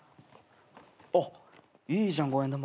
あっいいじゃん五円玉。